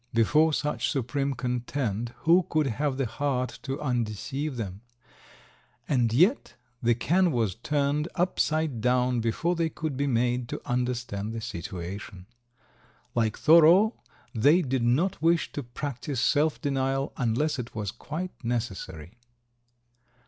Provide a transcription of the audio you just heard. Before such supreme content, who could have the heart to undeceive them? And yet, the can was turned upside down before they could be made to understand the situation. Like Thoreau, they did not wish to practice self denial unless it was quite necessary!